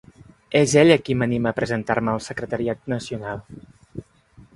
És ella qui m’anima a presentar-me al secretariat nacional.